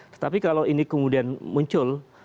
tetapi kalau ini kemudian muncul